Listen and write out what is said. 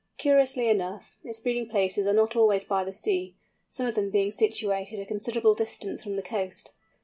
Curiously enough, its breeding places are not always by the sea, some of them being situated a considerable distance from the coast.